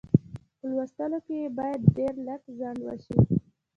په لوستلو کې یې باید ډېر لږ ځنډ وشي.